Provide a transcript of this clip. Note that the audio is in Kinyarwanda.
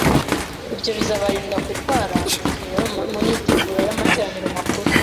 ibyo bizabarinda kurwara mu gihe bari mu myiteguro y’amateraniro makuru,